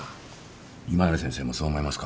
今成先生もそう思いますか？